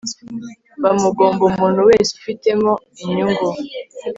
bamugomba umuntu wese ufitemo inyungu